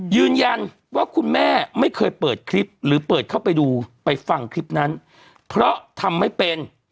ยืนยันว่าคุณแม่ไม่เคยเปิดคลิปหรือเปิดเข้าไปดูไปฟังคลิปนั้นเพราะทำไม่เป็น